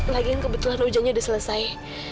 lagian kebetulan hujannya udah selesai